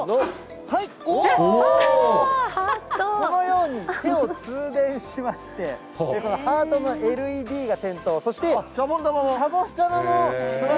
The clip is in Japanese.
このように、手を通電しまして、ハートのＬＥＤが点灯、そしてシャボン玉も。